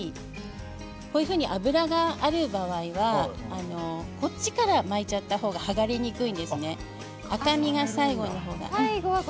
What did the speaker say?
こういうふうに脂がある場合は脂の方から巻いていただくと剥がれにくいですよ。